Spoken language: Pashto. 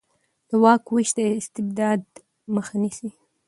د واک وېش د استبداد مخه نیسي